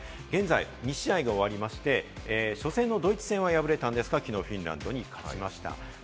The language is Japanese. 現在２試合が終わり、初戦のドイツ戦は敗れましたが、きのうフィンランドに勝ちました。